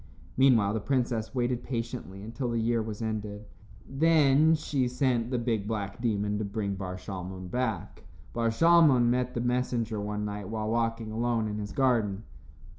Meanwhile, the princess waited patiently until the year was ended. Then she sent the big, black demon to bring Bar Shalmon back. Bar Shalmon met the messenger one night when walking alone in his garden.